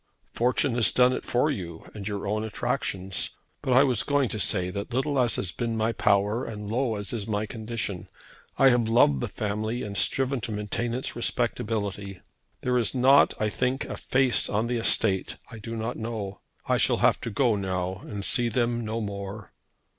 "Fortune has done it for you, and your own attractions. But I was going to say that little as has been my power and low as is my condition, I have loved the family and striven to maintain its respectability. There is not, I think, a face on the estate I do not know. I shall have to go now and see them no more."